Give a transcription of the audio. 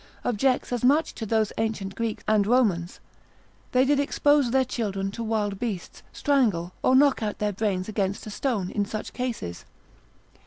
objects as much to those ancient Greeks and Romans, they did expose their children to wild beasts, strangle, or knock out their brains against a stone, in such cases.